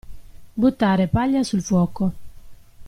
Buttare paglia sul fuoco.